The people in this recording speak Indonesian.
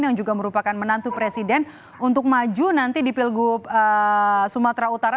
yang juga merupakan menantu presiden untuk maju nanti di pilgub sumatera utara